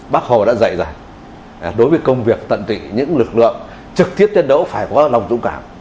bác hồ đã dạy giỏi đối với công việc tận tụy những lực lượng trực tiếp chiến đấu phải có lòng dũng cảm